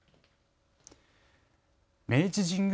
明治神宮